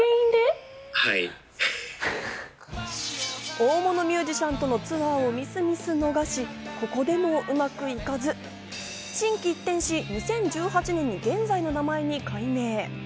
大物ミュージシャンとのツアーをみすみす逃し、ここでもうまくいかず、心機一転し、２０１８年に現在の名前に改名。